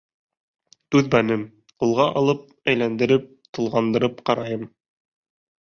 Түҙмәнем, ҡулға алып, әйләндереп-тулғандырып ҡарайым.